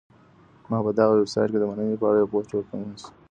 ما په دغه ویبسایټ کي د مننې په اړه یو پوسټ وکهمېشهی.